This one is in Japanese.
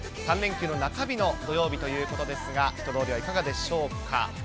３連休の中日の土曜日ということですが、人通りはいかがでしょうか。